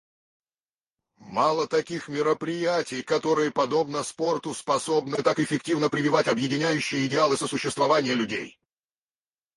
Мало таких мероприятий, которые подобно спорту способны так эффективно прививать объединяющие идеалы сосуществования людей.